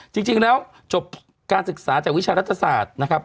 จริงแล้วจบการศึกษาจากวิชารัฐศาสตร์นะครับ